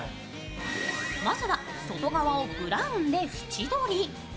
まずは外側をブラウンで縁取り。